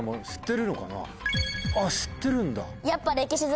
あっ知ってるんだ。